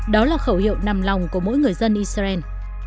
đó là khẩu hiệu nằm lòng của mỗi người dân israel